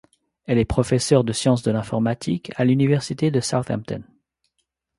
Elle est professeure en Science de l'Informatique à l'Université de Southampton.